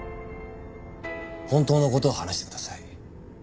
本当の事を話してください。